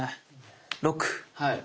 ６。